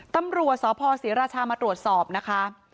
ตำรวจสพศรีราชามาตรวจสอบนะคะ